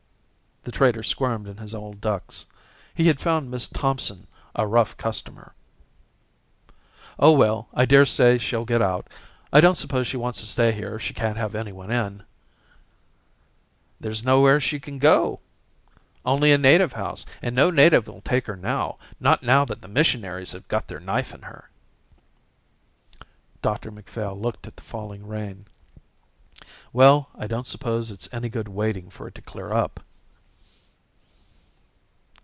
The trader squirmed in his old ducks. He had found Miss Thompson a rough customer. "Oh, well, I daresay she'll get out. I don't suppose she wants to stay here if she can't have anyone in." "There's nowhere she can go, only a native house, and no native'll take her now, not now that the missionaries have got their knife in her." Dr Macphail looked at the falling rain. "Well, I don't suppose it's any good waiting for it to clear up."